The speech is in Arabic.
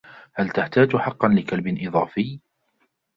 هل تحتاج حقا لكلب إضافي ؟